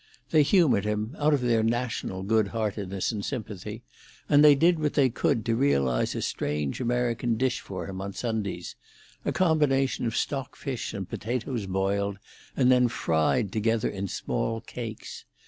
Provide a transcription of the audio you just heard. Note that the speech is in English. They humoured him, out of their national good heartedness and sympathy, and they did what they could to realise a strange American dish for him on Sundays—a combination of stockfish and potatoes boiled, and then fried together in small cakes.